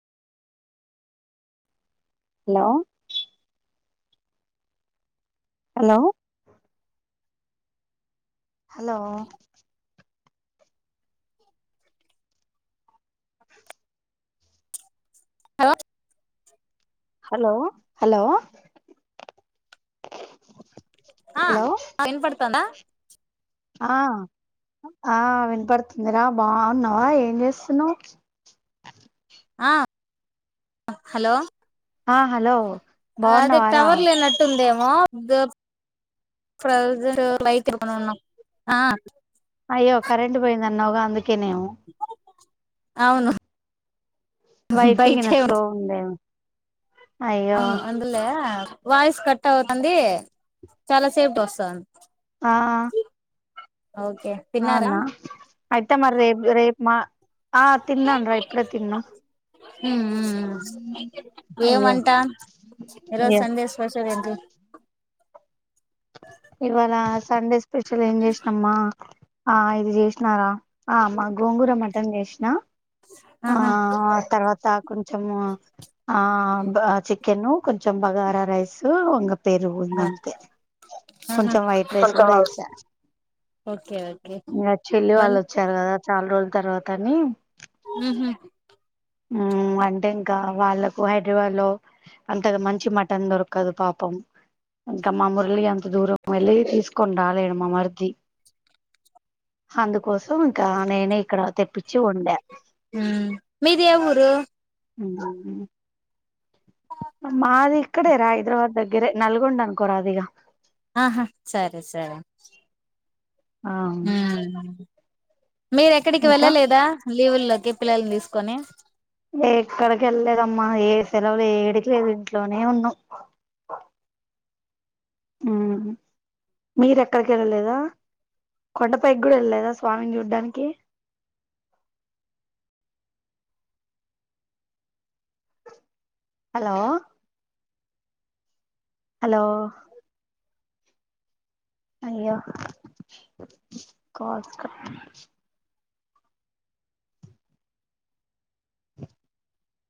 Hello hello hello hello hello hello ఆ విన పడతాందా. ఆ ఆ వినపడుతుందిరా బావున్నవా ఏం చేస్తున్నవు. ఆ హలో హలో అదే బాగున్నావారా టవర్లు నటుందే ప్రజైక్న్ అయ్యో కరెంటట్ పోయిందంది అన్న ఒకగా అ కనేవు అవును వైఫీకి నా బయటే స్లో ఉండే అవును అంద్రలే వాయిస్ కట్ అవుతుంది చాలా సేఫ్టీ వస్తుంది ఆ ఓకే తిన్నారా అవునా అతే రి రే రేప మా ఆ తిన్నాను రా ఇప్పుడే తిన్నా ఉమ్ ఉమ్ అయ్యో ఏమంట ఈరోజు అయ్యో సండే స్పెషల్ ఏంటి ఇవాళ సండే స్పెషల్ ఏం చేసినమ్మా ఆ ఇది చేసినారా ఆ అమ్మా గోంగూర మటన్ చేసినా ఆ ఆహా తర్వాత కొంచం ఆ చెక్ కెను కొంచం బగారా రైసు ఇంగ పెరుగు ఇంగంతే ఆహా కొంచెం వైట్ రైస్ కూడా వేసా ఓకే ఓకే ఇంగా చెల్లి బన్ వాళ్ళు వచ్చారు కదా చాలా రోజుల తర్వాత నీ హ్మ్ హు మ్మ్ అంటే ఇంకా వాళ్ళకు హైదరాబాద్ లో అంత మంచి మటన్ దొరకదు పాపం ఇంకా మా మురళి అంత దూరం వెళ్ళి తీసుకొని రాలేడు మా మర్ది అందుకోసం ఇంకా నేనే ఇక్కడ తెప్పి చు ఉండే ది ఏ ఊరు హ్మ్ హు మాది ఇక్కడే రా హైదరాబాద్ దగ్గరే నల్గొండ అనుకోరా అదిగ ఆహా సరే సరే ఆ మ్మ్ మీరు ఎక్కడికి ఇంకా వెళ్ళలేదా లీవుల్లోకి పిల్లల్ని తీసుకొని ఏక్కడికి వెళ్లేదమ్మా ఏ సెలవులు ఏడికి లేదు ఇంట్లోనే ఉన్నా మ్మ్ హు మీరు ఎక్కడికి వెళ్ళలేదా కొండపైకి కూడా వెళ్ళలేదా స్వామిని చూడ్డానికి హలో హలో అయ్యో కో